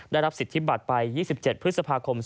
ได้รับสิทธิบัตรไป๒๗พฤษภาคม๒๕๖